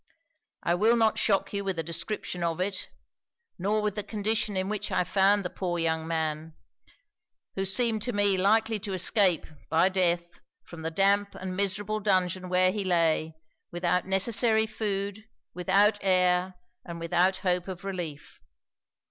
I will not shock you with a description of it, nor with the condition in which I found the poor young man; who seemed to me likely to escape, by death, from the damp and miserable dungeon where he lay, without necessary food, without air, and without hope of relief.